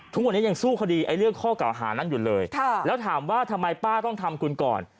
ทุกวันนี้ยังสู้คดีไอ้เรื่องข้อเก่าหานั้นอยู่เลยแล้วถามว่าทำไมป้าต้องทำคุณก่อน